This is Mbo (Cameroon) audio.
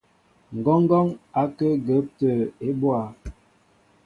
Ŋgɔɔŋgɔn ó kǝǝ agǝǝp atǝǝ ebóá.